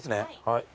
はい。